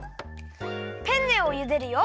ペンネをゆでるよ！